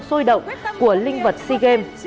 sôi động của linh vật sea games